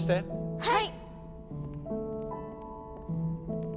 はい！